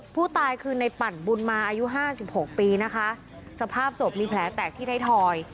ผู้ตายคือในปั่นบุญมาอายุห้าสิบหกปีนะคะสภาพศพมีแผลแตกที่ไทยทอย